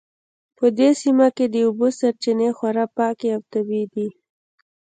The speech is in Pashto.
په دې سیمه کې د اوبو سرچینې خورا پاکې او طبیعي دي